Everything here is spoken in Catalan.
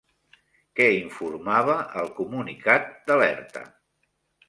Què informava el comunicat d'alerta?